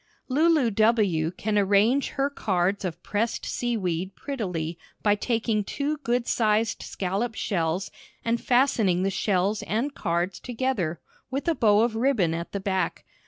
LULU W. can arrange her cards of pressed seaweed prettily by taking two good sized scallop shells, and fastening the shells and cards together with a bow of ribbon at the back.